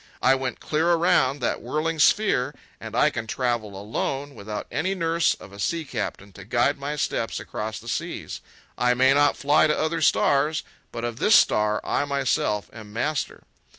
I went clear around that whirling sphere, and I can travel alone, without any nurse of a sea captain to guide my steps across the seas. I may not fly to other stars, but of this star I myself am master."